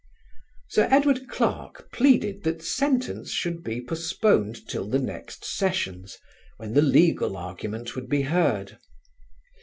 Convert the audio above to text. Sir Edward Clarke pleaded that sentence should be postponed till the next sessions, when the legal argument would be heard.